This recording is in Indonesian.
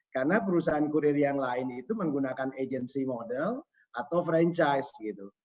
karena perusahaan kurir yang lain itu menggunakan agency model atau franchise gitu